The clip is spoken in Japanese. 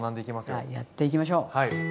じゃあやっていきましょう。